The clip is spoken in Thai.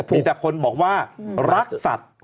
มีแต่คนบอกว่ารักสัตว์